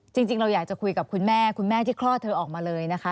จริงเราอยากจะคุยกับคุณแม่คุณแม่ที่คลอดเธอออกมาเลยนะคะ